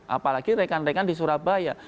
apalagi rekan rekan di surabaya